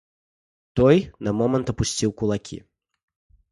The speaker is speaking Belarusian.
Той на момант апусціў кулакі.